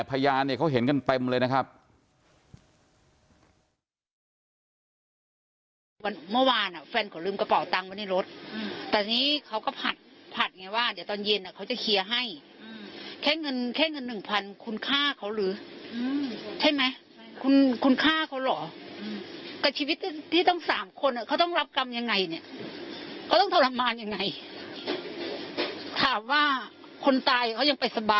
เพราะวันนี้ปฏิเสธนะฮะแต่พยานเขาเห็นกันเต็มเลยนะครับ